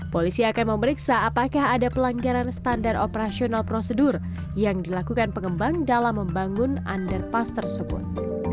polisi akan memeriksa apakah ada pelanggaran standar operasional prosedur yang dilakukan pengembang dalam membangun underpass tersebut